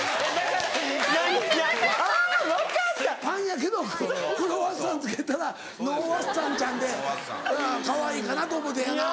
パンやけどクロワッサン付けたらノーワッサンちゃんでかわいいかなと思うてやな。